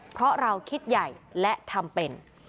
เพราะเราคิดใหญ่และทำเป็น